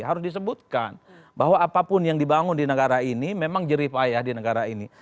harus disebutkan bahwa apapun yang dibangun di negara ini memang jerih ayah di negara ini